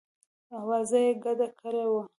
آوازه یې ګډه کړې وه.